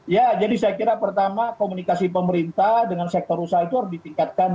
ya jadi saya kira pertama komunikasi pemerintah dengan sektor usaha itu harus ditingkatkan